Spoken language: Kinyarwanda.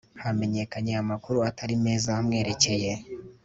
hamenyekanye amakuru atari meza amwerekeye